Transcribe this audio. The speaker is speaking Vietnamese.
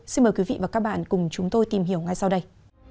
xin mời quý vị và các bạn cùng chúng tôi tìm hiểu ngay sau đây